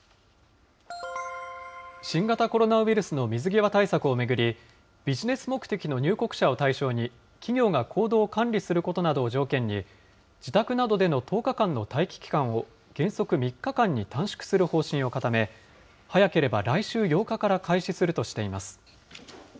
新型コロナウイルスの水際対策を巡り、ビジネス目的の入国者を対象に、企業が行動を管理することなどを条件に、自宅などでの１０日間の待機期間を、原則３日間に短縮する方針を固め、早ければ来週８日から開始するとしています。